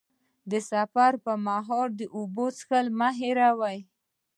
د سفر پر مهال د اوبو څښل مه هېروه.